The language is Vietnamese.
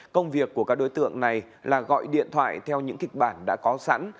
công việc của các đối tượng này là gọi điện thoại theo những kịch bản đã có sẵn